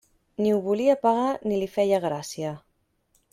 Ni ho volia pagar ni li feia gràcia.